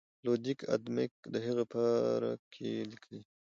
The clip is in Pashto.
لودویک آدمک د هغه پاره کې لیکي.